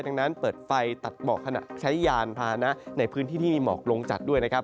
ดังนั้นเปิดไฟตัดหมอกขณะใช้ยานพานะในพื้นที่ที่มีหมอกลงจัดด้วยนะครับ